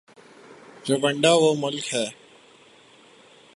Rwanda وہ ملک ہے۔